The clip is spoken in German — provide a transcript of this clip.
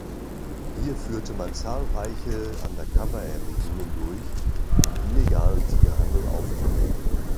Hier führte man zahlreiche undercover-Ermittlungen durch, um illegalen Tierhandel aufzudecken.